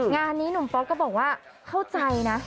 งานนี้หนุ่มป๊อกก็บอกว่าเข้าใจนะ